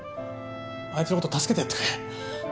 あいつの事助けてやってくれ。